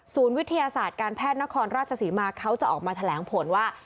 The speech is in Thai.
วิทยาศาสตร์การแพทย์นครราชศรีมาเขาจะออกมาแถลงผลว่า